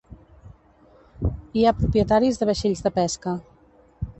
Hi ha propietaris de vaixells de pesca.